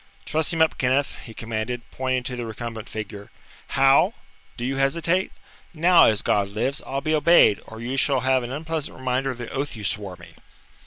"Truss him up, Kenneth," he commanded, pointing to the recumbent figure. "How? Do you hesitate? Now, as God lives, I'll be obeyed; or you shall have an unpleasant reminder of the oath you swore me!"